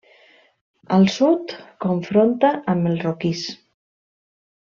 Al sud confronta amb el Roquís.